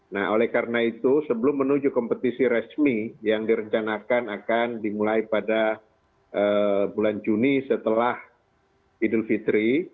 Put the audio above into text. nah oleh karena itu sebelum menuju kompetisi resmi yang direncanakan akan dimulai pada bulan juni setelah idul fitri